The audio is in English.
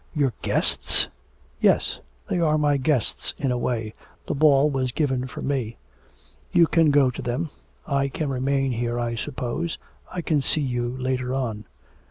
'Your guests?' 'Yes; they are my guests in a way, the ball was given for me.' 'You can go to them; I can remain here I suppose. I can see you later on.'